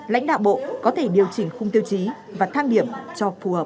lãnh đạo bộ có thể điều chỉnh khung tiêu chí và thang điểm cho phù hợp